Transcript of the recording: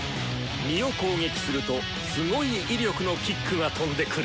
実を攻撃するとすごい威力のキックが飛んでくる。